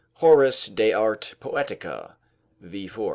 Horace, De Arte Poetica, v.